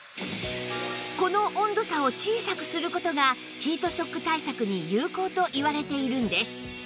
この温度差を小さくする事がヒートショック対策に有効といわれているんです